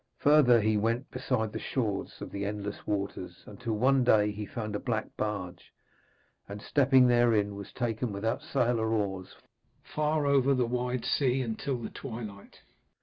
Further he went beside the shores of the Endless Waters, until one day he found a black barge, and stepping therein he was taken without sail or oars far over the wide sea, until the twilight.